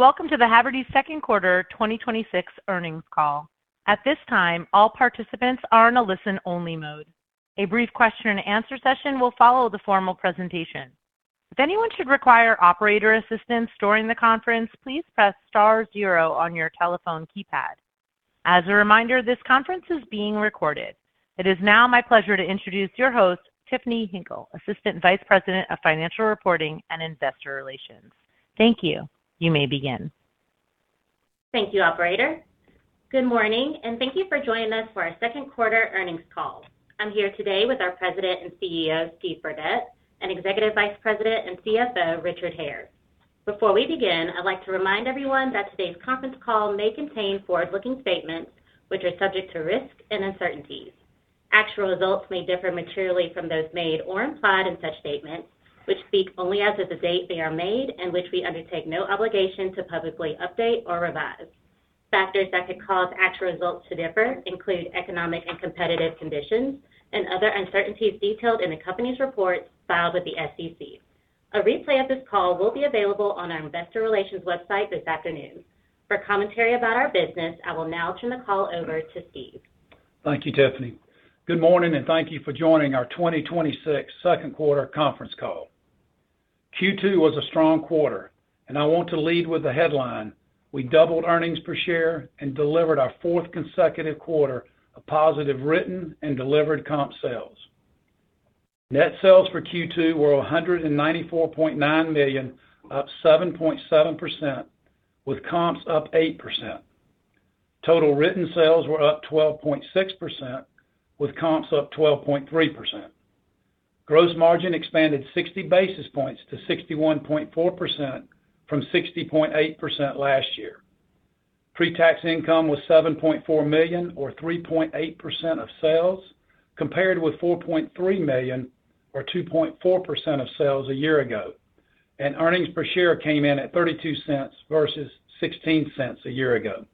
Welcome to the Haverty second quarter 2026 earnings call. At this time, all participants are in a listen only mode. A brief Q&A session will follow the formal presentation. If anyone should require operator assistance during the conference, please press star zero on your telephone keypad. As a reminder, this conference is being recorded. It is now my pleasure to introduce your host, Tiffany Hinkle, Assistant Vice President of Financial Reporting and Investor Relations. Thank you. You may begin. Thank you, operator. Good morning, and thank you for joining us for our second quarter earnings call. I'm here today with our President and CEO, Steve Burdette, and Executive Vice President and CFO, Richard Hare. Before we begin, I'd like to remind everyone that today's conference call may contain forward-looking statements, which are subject to risk and uncertainties. Actual results may differ materially from those made or implied in such statements, which speak only as of the date they are made and which we undertake no obligation to publicly update or revise. Factors that could cause actual results to differ include economic and competitive conditions and other uncertainties detailed in the company's reports filed with the SEC. A replay of this call will be available on our investor relations website this afternoon. For commentary about our business, I will now turn the call over to Steve. Thank you, Tiffany. Good morning, and thank you for joining our 2026 second quarter conference call. Q2 was a strong quarter, and I want to lead with the headline: we doubled earnings per share and delivered our fourth consecutive quarter of positive written and delivered comp sales. Net sales for Q2 were $194.9 million, up 7.7%, with comps up 8%. Total written sales were up 12.6%, with comps up 12.3%. Gross margin expanded 60 basis points to 61.4% from 60.8% last year. Pre-tax income was $7.4 million or 3.8% of sales, compared with $4.3 million or 2.4% of sales a year ago, and earnings per share came in at $0.32 versus $0.16 a year ago.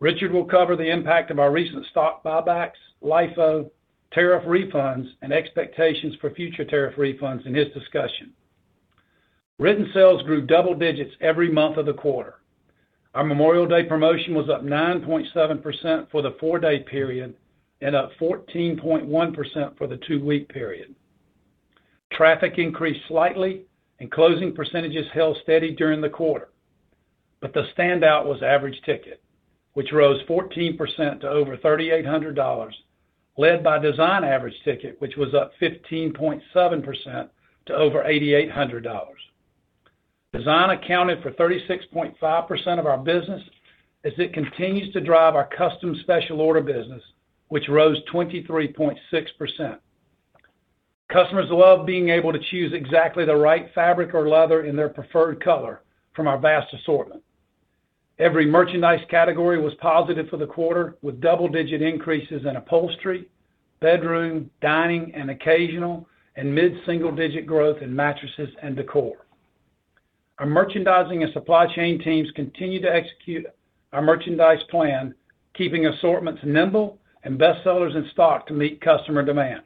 Richard will cover the impact of our recent stock buybacks, LIFO, tariff refunds, and expectations for future tariff refunds in his discussion. Written sales grew double digits every month of the quarter. Our Memorial Day promotion was up 9.7% for the four-day period and up 14.1% for the two-week period. Traffic increased slightly, and closing percentages held steady during the quarter. The standout was average ticket, which rose 14% to over $3,800, led by Design average ticket, which was up 15.7% to over $8,800. Design accounted for 36.5% of our business as it continues to drive our custom special order business, which rose 23.6%. Customers love being able to choose exactly the right fabric or leather in their preferred color from our vast assortment. Every merchandise category was positive for the quarter, with double-digit increases in upholstery, bedroom, dining, and occasional, and mid-single-digit growth in mattresses and decor. Our merchandising and supply chain teams continue to execute our merchandise plan, keeping assortments nimble and best sellers in stock to meet customer demand.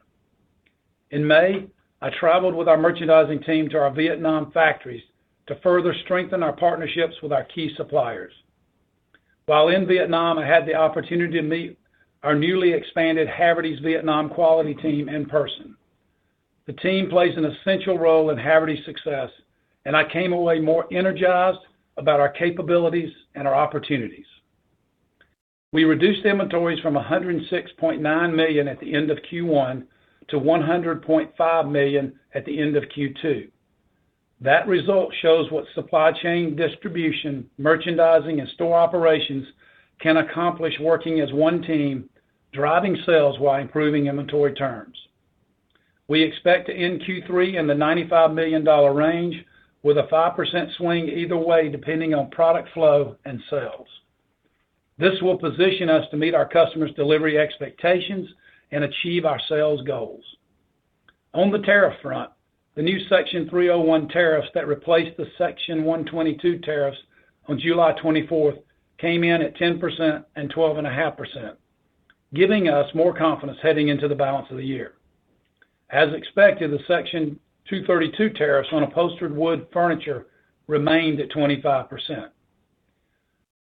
In May, I traveled with our merchandising team to our Vietnam factories to further strengthen our partnerships with our key suppliers. While in Vietnam, I had the opportunity to meet our newly expanded Haverty's Vietnam quality team in person. The team plays an essential role in Haverty's success, and I came away more energized about our capabilities and our opportunities. We reduced inventories from $106.9 million at the end of Q1 to $100.5 million at the end of Q2. That result shows what supply chain distribution, merchandising, and store operations can accomplish working as one team, driving sales while improving inventory terms. We expect to end Q3 in the $95 million range with a 5% swing either way, depending on product flow and sales. This will position us to meet our customers' delivery expectations and achieve our sales goals. On the tariff front, the new Section 301 tariffs that replaced the Section 122 tariffs on July 24th came in at 10% and 12.5%, giving us more confidence heading into the balance of the year. As expected, the Section 232 tariffs on upholstered wood furniture remained at 25%.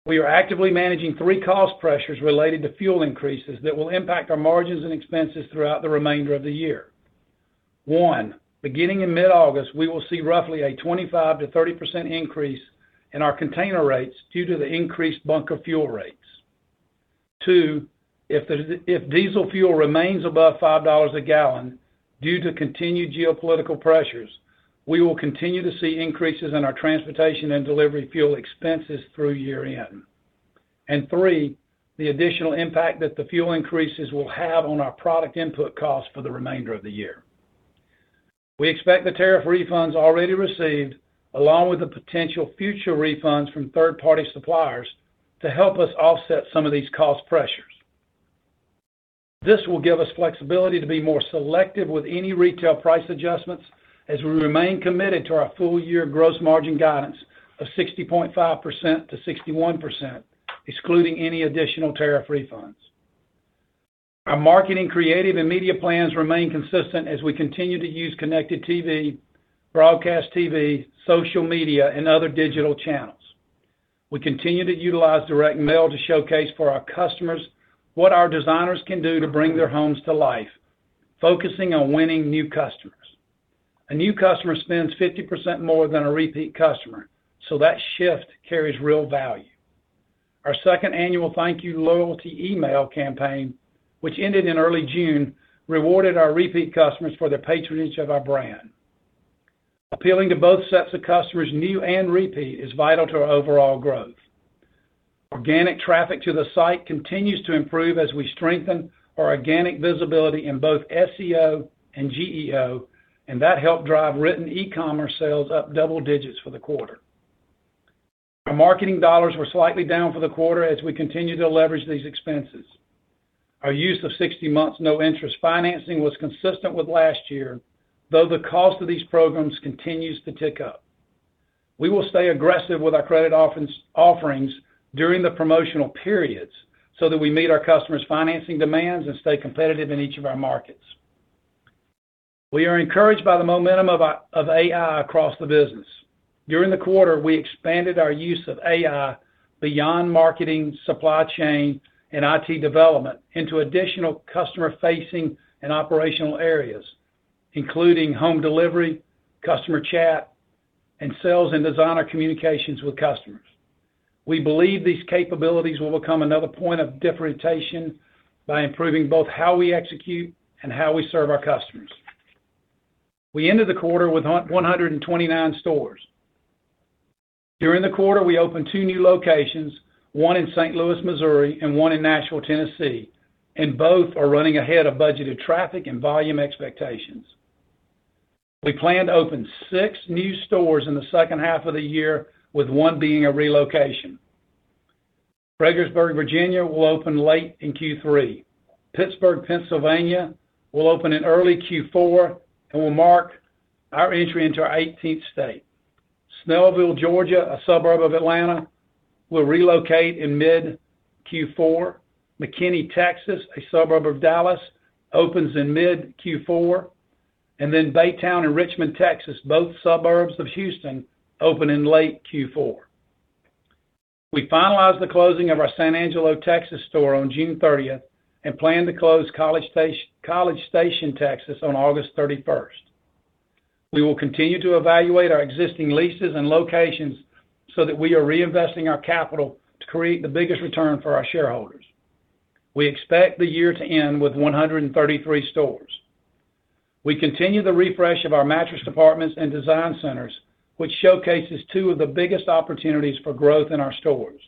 We are actively managing three cost pressures related to fuel increases that will impact our margins and expenses throughout the remainder of the year. One, beginning in mid-August, we will see roughly a 25%-30% increase in our container rates due to the increased bunker fuel rates. Two, if diesel fuel remains above $5 a gallon due to continued geopolitical pressures, we will continue to see increases in our transportation and delivery fuel expenses through year-end. Three, the additional impact that the fuel increases will have on our product input costs for the remainder of the year. We expect the tariff refunds already received, along with the potential future refunds from third-party suppliers to help us offset some of these cost pressures. This will give us flexibility to be more selective with any retail price adjustments as we remain committed to our full-year gross margin guidance of 60.5%-61%, excluding any additional tariff refunds. Our marketing, creative, and media plans remain consistent as we continue to use connected TV, broadcast TV, social media, and other digital channels. We continue to utilize direct mail to showcase for our customers what our designers can do to bring their homes to life, focusing on winning new customers. A new customer spends 50% more than a repeat customer, so that shift carries real value. Our second annual thank you loyalty email campaign, which ended in early June, rewarded our repeat customers for their patronage of our brand. Appealing to both sets of customers, new and repeat, is vital to our overall growth. Organic traffic to the site continues to improve as we strengthen our organic visibility in both SEO and GEO, and that helped drive written e-commerce sales up double digits for the quarter. Our marketing dollars were slightly down for the quarter as we continue to leverage these expenses. Our use of 60 months, no-interest financing was consistent with last year, though the cost of these programs continues to tick up. We will stay aggressive with our credit offerings during the promotional periods so that we meet our customers' financing demands and stay competitive in each of our markets. We are encouraged by the momentum of AI across the business. During the quarter, we expanded our use of AI beyond marketing, supply chain, and IT development into additional customer-facing and operational areas, including home delivery, customer chat, and sales and Design communications with customers. We believe these capabilities will become another point of differentiation by improving both how we execute and how we serve our customers. We ended the quarter with 129 stores. During the quarter, we opened two new locations, one in St. Louis, Missouri, and one in Nashville, Tennessee. Both are running ahead of budgeted traffic and volume expectations. We plan to open six new stores in the second half of the year, with one being a relocation. Fredericksburg, Virginia, will open late in Q3. Pittsburgh, Pennsylvania, will open in early Q4 and will mark our entry into our 18th state. Snellville, Georgia, a suburb of Atlanta, will relocate in mid-Q4. McKinney, Texas, a suburb of Dallas, opens in mid-Q4. Baytown and Richmond, Texas, both suburbs of Houston, open in late Q4. We finalized the closing of our San Angelo, Texas, store on June 30th and plan to close College Station, Texas, on August 31st. We will continue to evaluate our existing leases and locations so that we are reinvesting our capital to create the biggest return for our shareholders. We expect the year-to-end with 133 stores. We continue the refresh of our mattress departments and Design centers, which showcases two of the biggest opportunities for growth in our stores.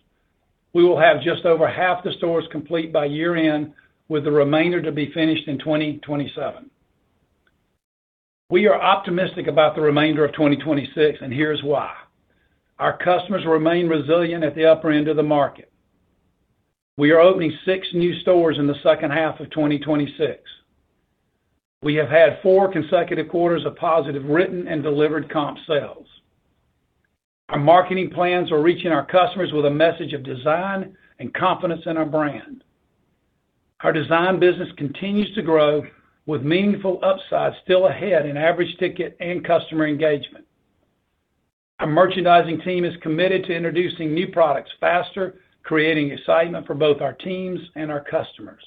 We will have just over half the stores complete by year-end, with the remainder to be finished in 2027. We are optimistic about the remainder of 2026. Here's why. Our customers remain resilient at the upper end of the market.. We are opening six new stores in the second half of 2026. We have had four consecutive quarters of positive written and delivered comp sales. Our marketing plans are reaching our customers with a message of Design and confidence in our brand. Our Design business continues to grow with meaningful upside still ahead in average ticket and customer engagement. Our merchandising team is committed to introducing new products faster, creating excitement for both our teams and our customers.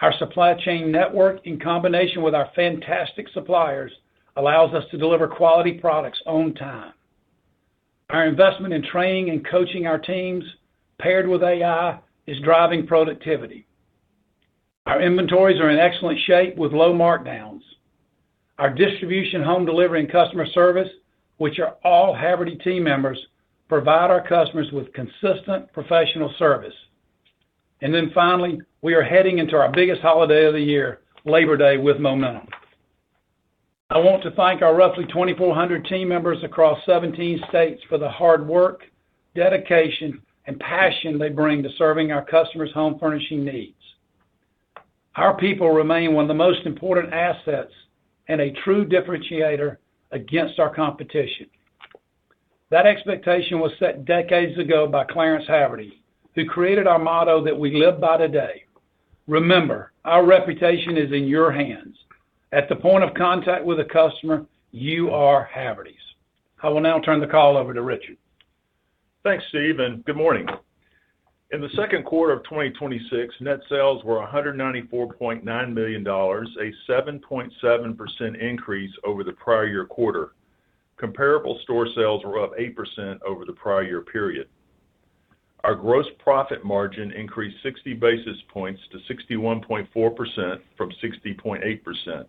Our supply chain network, in combination with our fantastic suppliers, allows us to deliver quality products on time. Our investment in training and coaching our teams, paired with AI, is driving productivity. Our inventories are in excellent shape with low markdowns. Our distribution, home delivery, and customer service, which are all Haverty team members, provide our customers with consistent professional service. Finally, we are heading into our biggest holiday of the year, Labor Day, with momentum. I want to thank our roughly 2,400 team members across 17 states for the hard work, dedication, and passion they bring to serving our customers' home furnishing needs. Our people remain one of the most important assets and a true differentiator against our competition. That expectation was set decades ago by Clarence Haverty, who created our motto that we live by today: "Remember, our reputation is in your hands. At the point of contact with a customer, you are Haverty's." I will now turn the call over to Richard. Thanks, Steve, good morning. In the second quarter of 2026, net sales were $194.9 million, a 7.7% increase over the prior year quarter. Comparable store sales were up 8% over the prior year period. Our gross profit margin increased 60 basis points to 61.4% from 60.8%.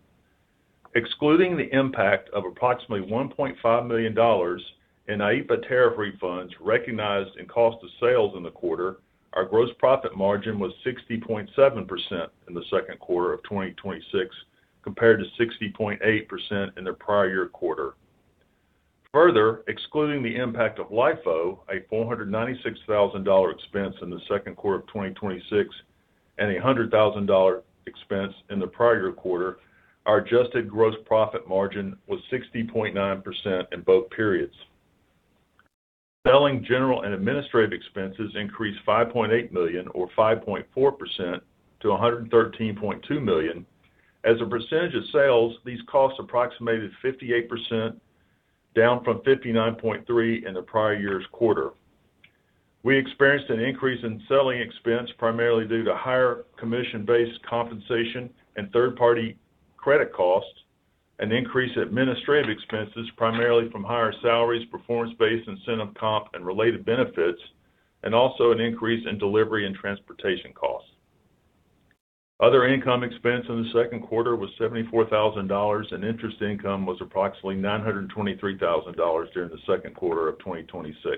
Excluding the impact of approximately $1.5 million in IEEPA tariff refunds recognized in cost of sales in the quarter, our gross profit margin was 60.7% in the second quarter of 2026, compared to 60.8% in the prior year quarter. Further, excluding the impact of LIFO, a $496,000 expense in the second quarter of 2026, and a $100,000 expense in the prior year quarter, our adjusted gross profit margin was 60.9% in both periods. Selling general and administrative expenses increased $5.8 million or 5.4% to $113.2 million. As a percentage of sales, these costs approximated 58%, down from 59.3% in the prior year's quarter. We experienced an increase in selling expense, primarily due to higher commission-based compensation and third-party credit costs, an increase in administrative expenses, primarily from higher salaries, performance-based incentive comp, and related benefits, and also an increase in delivery and transportation costs. Other income expense in the second quarter was $74,000, and interest income was approximately $923,000 during the second quarter of 2026.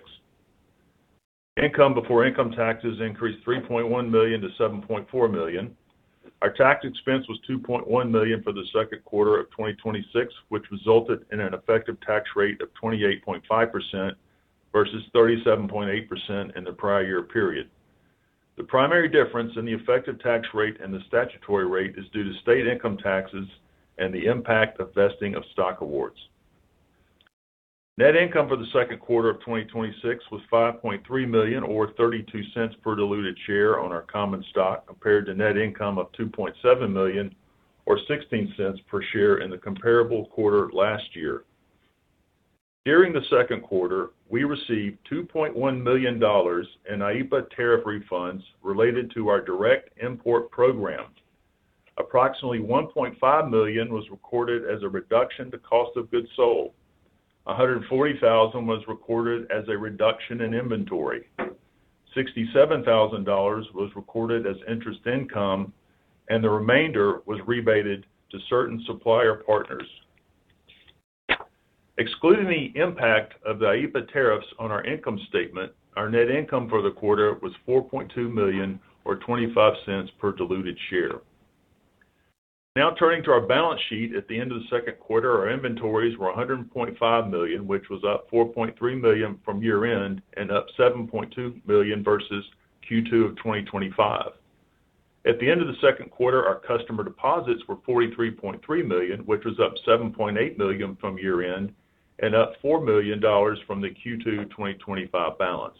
Income before income taxes increased $3.1 million-$7.4 million. Our tax expense was $2.1 million for the second quarter of 2026, which resulted in an effective tax rate of 28.5% versus 37.8% in the prior year period. The primary difference in the effective tax rate and the statutory rate is due to state income taxes and the impact of vesting of stock awards. Net income for the second quarter of 2026 was $5.3 million, or $0.32 per diluted share on our common stock, compared to net income of $2.7 million or $0.16 per share in the comparable quarter last year. During the second quarter, we received $2.1 million in IEEPA tariff refunds related to our direct import program. Approximately $1.5 million was recorded as a reduction to cost of goods sold. $140,000 was recorded as a reduction in inventory. $67,000 was recorded as interest income, and the remainder was rebated to certain supplier partners. Excluding the impact of the IEEPA tariffs on our income statement, our net income for the quarter was $4.2 million or $0.25 per diluted share. Turning to our balance sheet. At the end of the second quarter, our inventories were $100.5 million, which was up $4.3 million from year-end and up $7.2 million versus Q2 of 2025. At the end of the second quarter, our customer deposits were $43.3 million, which was up $7.8 million from year-end and up $4 million from the Q2 2025 balance.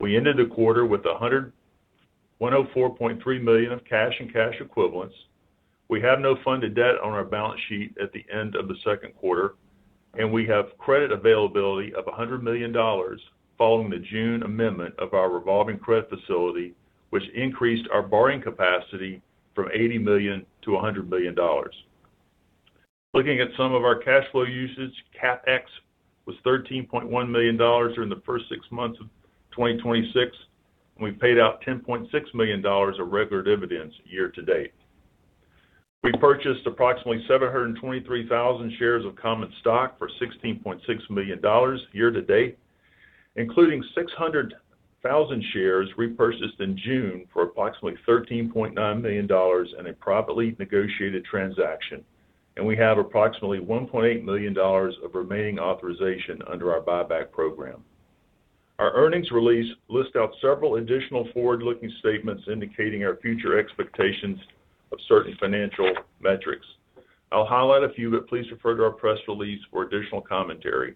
We ended the quarter with $104.3 million of cash and cash equivalents. We have no funded debt on our balance sheet at the end of the second quarter, and we have credit availability of $100 million following the June amendment of our revolving credit facility, which increased our borrowing capacity from $80 million-$100 million. Looking at some of our cash flow usage, CapEx was $13.1 million during the first six months of 2026, and we paid out $10.6 million of regular dividends year to date. We purchased approximately 723,000 shares of common stock for $16.6 million year to date, including 600,000 shares repurchased in June for approximately $13.9 million in a privately negotiated transaction. We have approximately $1.8 million of remaining authorization under our buyback program. Our earnings release list out several additional forward-looking statements indicating our future expectations of certain financial metrics. I'll highlight a few, but please refer to our press release for additional commentary.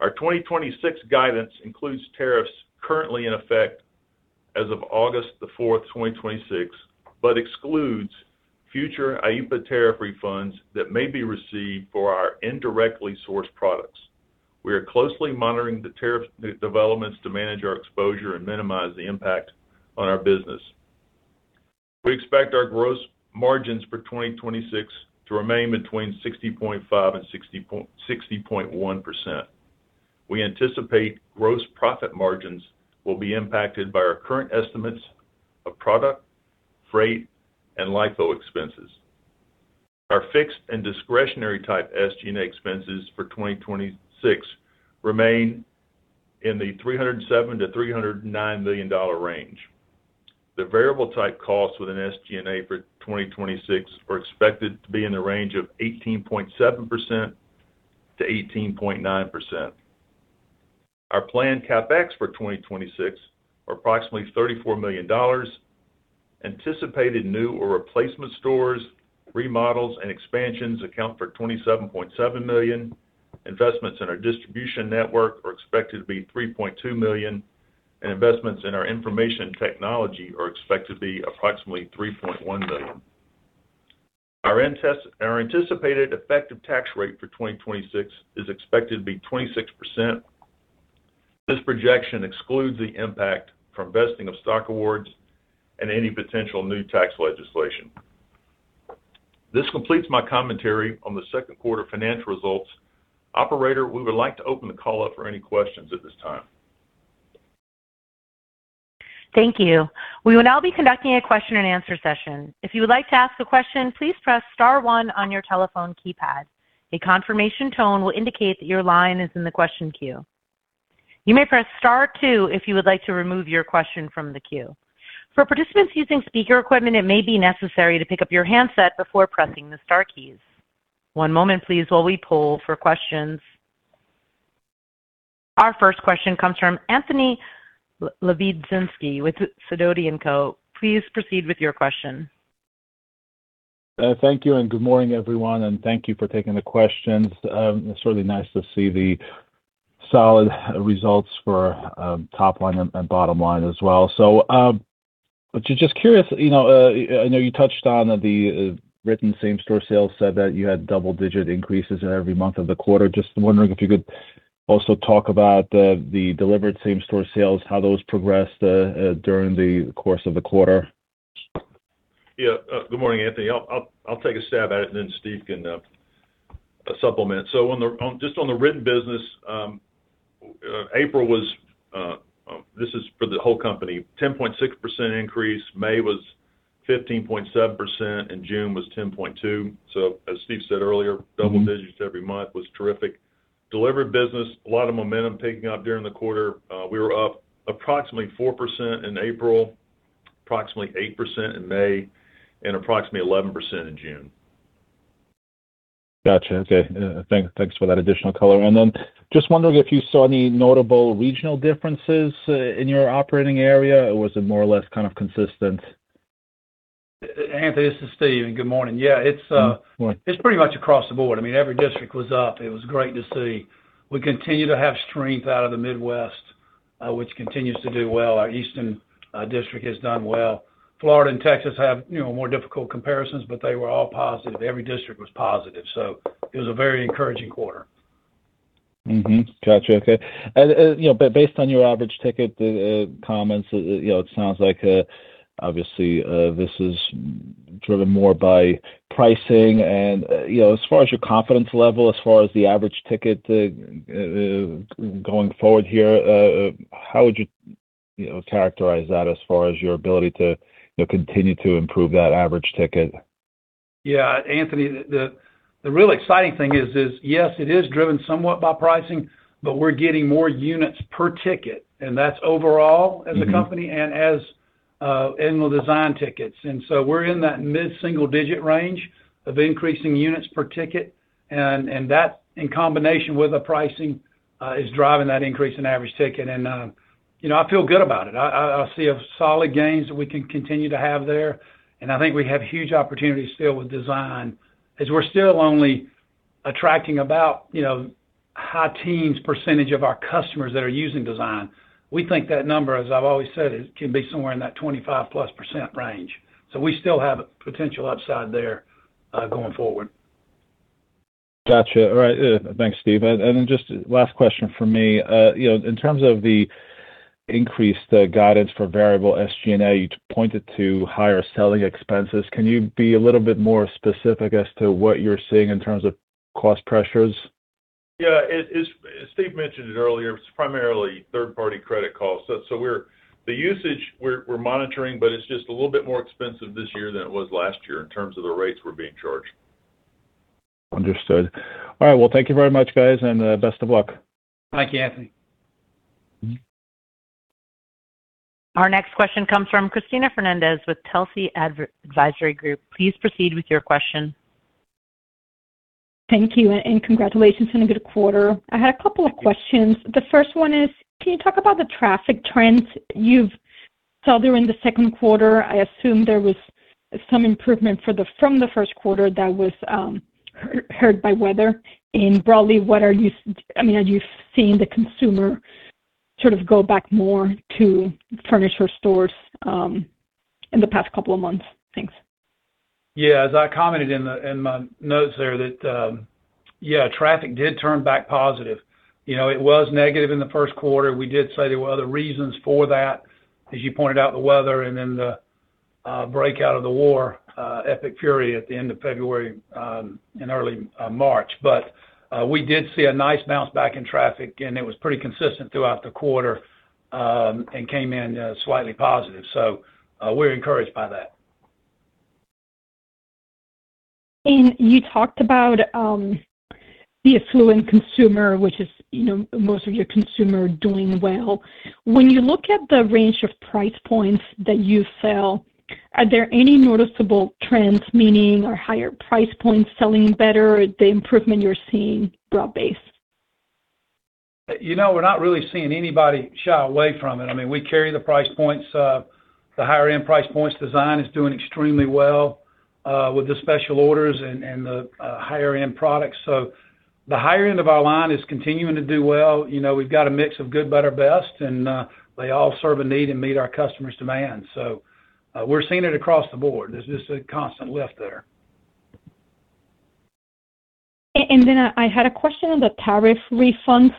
Our 2026 guidance includes tariffs currently in effect as of August 4th, 2026, but excludes future IEEPA tariff refunds that may be received for our indirectly sourced products. We are closely monitoring the tariff developments to manage our exposure and minimize the impact on our business. We expect our gross margins for 2026 to remain between 60.5% and 60.1%. We anticipate gross profit margins will be impacted by our current estimates of product, freight, and LIFO expenses. Our fixed and discretionary type SG&A expenses for 2026 remain in the $307 million-$309 million range. The variable type costs within SG&A for 2026 are expected to be in the range of 18.7%-18.9%. Our planned CapEx for 2026 are approximately $34 million. Anticipated new or replacement stores, remodels, and expansions account for $27.7 million. Investments in our distribution network are expected to be $3.2 million, and investments in our information technology are expected to be approximately $3.1 million. Our anticipated effective tax rate for 2026 is expected to be 26%. This projection excludes the impact from vesting of stock awards and any potential new tax legislation. This completes my commentary on the second quarter financial results. Operator, we would like to open the call up for any questions at this time. Thank you. We will now be conducting a Q&A session. If you would like to ask a question, please press star one on your telephone keypad. A confirmation tone will indicate that your line is in the question queue. You may press star two if you would like to remove your question from the queue. For participants using speaker equipment, it may be necessary to pick up your handset before pressing the star keys. One moment please while we poll for questions. Our first question comes from Anthony Lebiedzinski with Sidoti & Co. Please proceed with your question Thank you, good morning, everyone, and thank you for taking the questions. It's really nice to see the solid results for top line and bottom line as well. Just curious, I know you touched on the written same-store sales said that you had double-digit increases in every month of the quarter. Just wondering if you could also talk about the delivered same-store sales, how those progressed during the course of the quarter. Good morning, Anthony. I'll take a stab at it and then Steve can supplement. Just on the written business, this is for the whole company, 10.6% increase. May was 15.7%, and June was 10.2%. As Steve said earlier, double digits every month was terrific. Delivered business, a lot of momentum picking up during the quarter. We were up approximately 4% in April, approximately 8% in May, and approximately 11% in June. Got you. Okay. Thanks for that additional color. Just wondering if you saw any notable regional differences in your operating area, or was it more or less kind of consistent? Anthony, this is Steve, and good morning. Good morning. It's pretty much across the board. Every district was up. It was great to see. We continue to have strength out of the Midwest, which continues to do well. Our Eastern district has done well. Florida and Texas have more difficult comparisons, but they were all positive. Every district was positive. It was a very encouraging quarter. Got you. Okay. Based on your average ticket comments, it sounds like, obviously, this is driven more by pricing and as far as your confidence level, as far as the average ticket going forward here, how would you characterize that as far as your ability to continue to improve that average ticket? Yeah. Anthony, the real exciting thing is, yes, it is driven somewhat by pricing, but we're getting more units per ticket, and that's overall as a company and as in the Design tickets. We're in that mid-single digit range of increasing units per ticket. That, in combination with the pricing, is driving that increase in average ticket. I feel good about it. I see a solid gains that we can continue to have there, and I think we have huge opportunities still with Design as we're still only attracting about high teens percent of our customers that are using Design. We think that number, as I've always said, can be somewhere in that 25%+ range. We still have potential upside there, going forward. Got you. All right. Thanks, Steven. Just last question from me. In terms of the increased guidance for variable SG&A, you pointed to higher selling expenses. Can you be a little bit more specific as to what you're seeing in terms of cost pressures? Yeah. As Steve mentioned it earlier, it's primarily third-party credit costs. The usage we're monitoring, but it's just a little bit more expensive this year than it was last year in terms of the rates we're being charged. Understood. All right. Thank you very much, guys, and best of luck. Thank you, Anthony. Our next question comes from Cristina Fernández with Telsey Advisory Group. Please proceed with your question. Thank you, and congratulations on a good quarter. I had a couple of questions. The first one is, can you talk about the traffic trends you've sold during the second quarter? I assume there was some improvement from the first quarter that was hurt by weather. Broadly, have you seen the consumer sort of go back more to furniture stores in the past couple of months? Thanks. Yeah. As I commented in my notes there that, yeah, traffic did turn back positive. It was negative in the first quarter. We did say there were other reasons for that. As you pointed out, the weather and then the breakout of the war, epic fury at the end of February and early March. We did see a nice bounce back in traffic, and it was pretty consistent throughout the quarter, and came in slightly positive. We're encouraged by that. You talked about the affluent consumer, which is most of your consumer doing well. When you look at the range of price points that you sell, are there any noticeable trends meaning or higher price points selling better, the improvement you're seeing broad-based? We're not really seeing anybody shy away from it. We carry the price points. The higher-end price points Design is doing extremely well, with the special orders and the higher-end products. The higher end of our line is continuing to do well. We've got a mix of good, better, best, they all serve a need and meet our customer's demand. We're seeing it across the board. There's just a constant lift there. I had a question on the tariff refunds.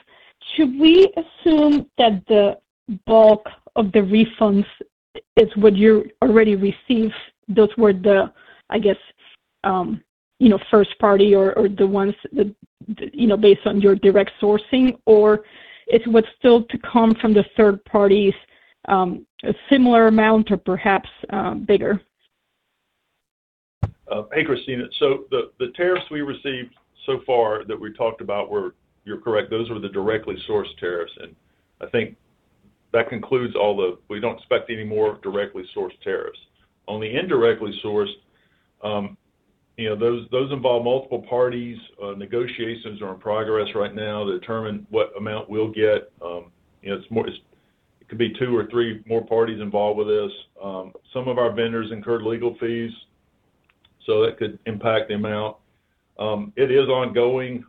Should we assume that the bulk of the refunds is what you already received, those were the, I guess, first party or the ones based on your direct sourcing, or it's what's still to come from the third parties, a similar amount or perhaps bigger? Hey, Cristina. The tariffs we received so far that we talked about were, you're correct, those were the directly sourced tariffs. We don't expect any more directly sourced tariffs. On the indirectly sourced, those involve multiple parties. Negotiations are in progress right now to determine what amount we'll get. It could be two or three more parties involved with this. Some of our vendors incurred legal fees, so that could impact the amount. It is ongoing.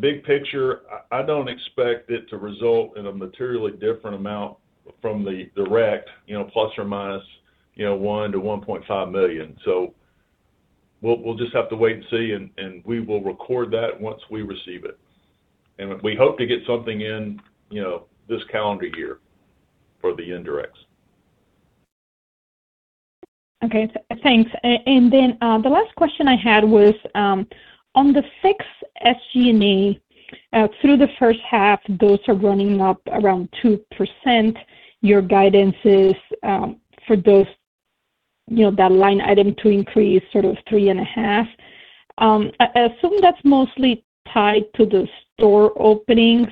Big picture, I don't expect it to result in a materially different amount from the direct, ±$1 million-$1.5 million. We'll just have to wait and see, and we will record that once we receive it. We hope to get something in this calendar year for the indirects. Okay, thanks. The last question I had was, on the fixed SG&A, through the first half, those are running up around 2%. Your guidance is for that line item to increase sort of 3.5%. I assume that's mostly tied to the store openings.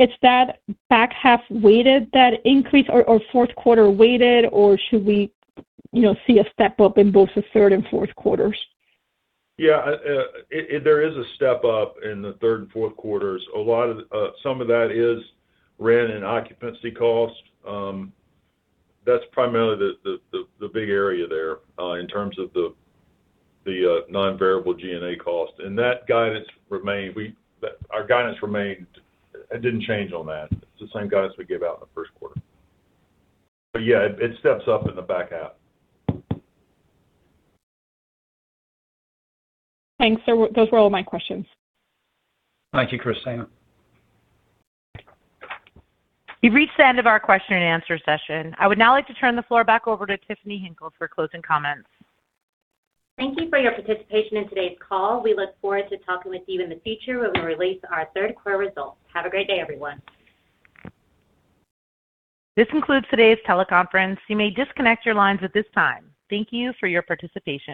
Is that back half weighted, that increase, or fourth quarter weighted, or should we see a step-up in both the third and fourth quarters? There is a step-up in the third and fourth quarters. Some of that is rent and occupancy cost. That's primarily the big area there in terms of the non-variable G&A cost. Our guidance remained. It didn't change on that. It's the same guidance we gave out in the first quarter. It steps up in the back half. Thanks. Those were all my questions. Thank you, Cristina. You've reached the end of our Q&A session. I would now like to turn the floor back over to Tiffany Hinkle for closing comments. Thank you for your participation in today's call. We look forward to talking with you in the future when we release our third quarter results. Have a great day, everyone. This concludes today's teleconference. You may disconnect your lines at this time. Thank you for your participation.